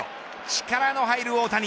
力の入る大谷。